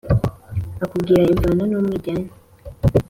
ukambwira imvano n'umwiryane...